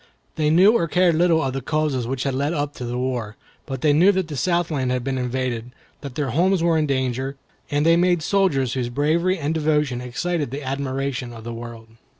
They knew or cared little of the causes which had led up to the war; but they knew that the Southland had been invaded, that their homes were in danger, and they made soldiers whose bravery and devotion excited the admiration of the world.